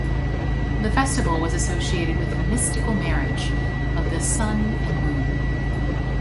The festival was associated with a mystical marriage of the sun and moon.